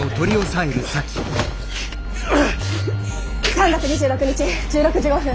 ３月２６日１６時５分。